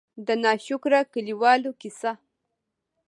د نا شکره کلي والو قيصه :